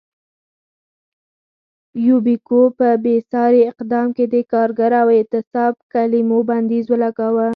یوبیکو په بېساري اقدام کې د کارګر او اعتصاب کلیمو بندیز ولګاوه.